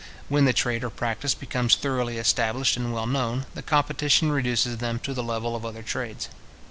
When the trade or practice becomes thoroughly established and well known, the competition reduces them to the level of other trades.